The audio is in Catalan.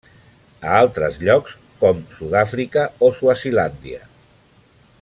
A altres llocs, com Sud-àfrica o Swazilàndia.